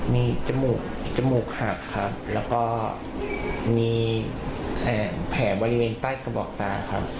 ไม่เคยมีปัญหาอะไรจากใคร